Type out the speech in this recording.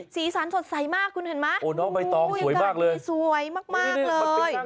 สีสันสดใสมากคุณเห็นไหมโอ้น้องใบตองสวยมากเลยสวยมากเลย